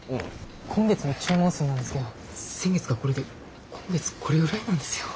今月の注文数なんですけど先月がこれで今月これぐらいなんですよ。